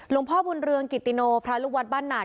พ่อบุญเรืองกิติโนพระลูกวัดบ้านหนาด